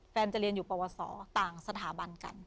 จะเรียนอยู่ปวสอต่างสถาบันกัน